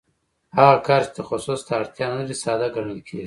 هغه کار چې تخصص ته اړتیا نلري ساده ګڼل کېږي